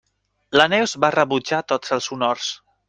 La Neus va rebutjar tots els honors.